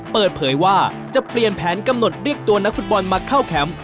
เปิดเผยว่าจะเปลี่ยนแผนกำหนดเรียกตัวนักฟุตบอลมาเข้าแคมป์